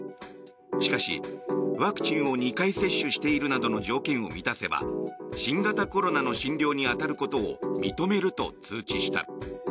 しかし、ワクチンを２回接種しているなどの条件を満たせば新型コロナの診療に当たることを認めると通知した。